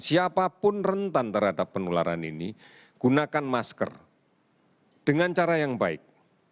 siapapun rentan terhadap penularan ini gunakan masker dengan cara yang baik